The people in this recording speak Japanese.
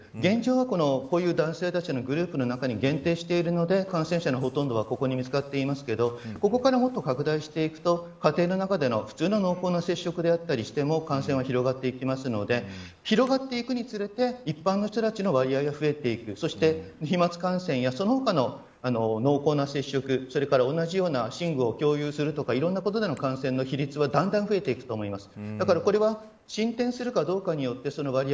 現状は、こういう男性たちのグループの中に限定しているので感染者のほとんどはここに見つかっていますがここからもっと拡大していくと家庭の中での普通な濃厚な接触だったりしても普通に広がっていくので広がっていくにつれて一般の人達の割合がが増えていくそして、飛まつ感染やその他の濃厚な接触それから同じような、寝具を共有するとかいろいろなことでの感染の比率はだんだん増えていくと思います。